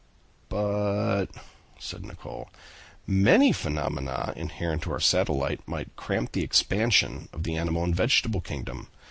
"But," said Nicholl, "many phenomena inherent in our satellite might cramp the expansion of the animal and vegetable kingdom.